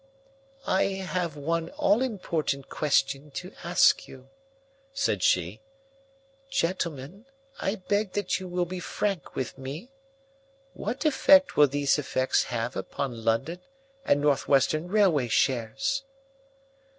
"I have one all important question to ask you," said she. "Gentlemen, I beg that you will be frank with me. What effect will these events have upon London and North Western Railway shares?"